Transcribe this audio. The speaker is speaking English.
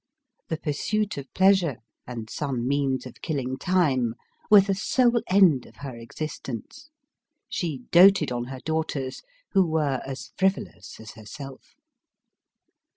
The pursuit of pleasure, and some means of killing time, were the solo end of her existence. She doted on her daughters, who were as frivolous as herself.